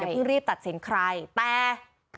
เพิ่งรีบตัดสินใครแต่